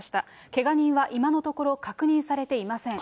けが人は今のところ、確認されていません。